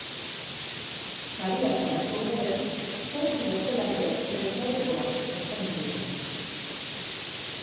Sariak banatu ondoren, zortzi bertsolariek prentsaurreko bat eskaini dute.